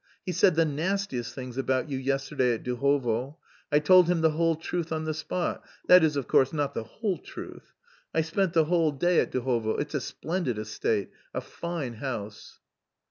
He said the nastiest things about you yesterday at Duhovo. I told him the whole truth on the spot, that is, of course, not the whole truth. I spent the whole day at Duhovo. It's a splendid estate, a fine house."